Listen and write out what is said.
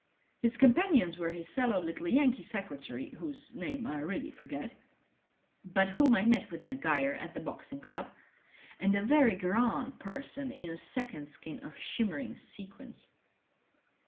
His companions were his sallow little Yankee secretary, whose name I really forget, but whom I met with Maguire at the Boxing Club, and a very grand person in a second skin of shimmering sequins.